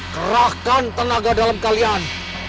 kerahkan tenaga dalam kalian